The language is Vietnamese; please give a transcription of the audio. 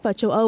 vào châu âu